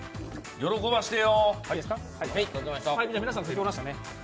喜ばしてよ！